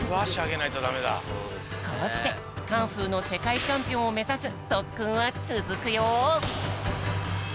こうしてカンフーのせかいチャンピオンをめざすとっくんはつづくよ。